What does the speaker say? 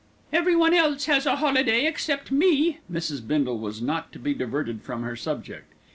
"Everybody else has a holiday except me." Mrs. Bindle was not to be diverted from her subject.